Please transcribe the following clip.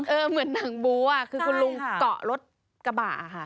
เหมือนหนังบู๊คือคุณลุงเกาะรถกระบะค่ะ